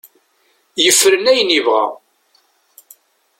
Yefren ayen yebɣa.